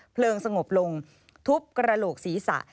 เพลิงสงบลงทุบกระโหลกศีรษะ